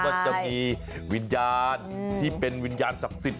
ก็จะมีวิญญาณที่เป็นวิญญาณศักดิ์สิทธิ